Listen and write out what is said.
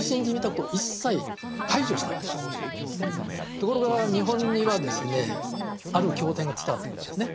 ところが日本にはある経典が伝わってくるんですね。